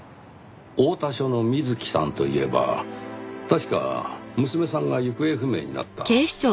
大田署の水木さんといえば確か娘さんが行方不明になった？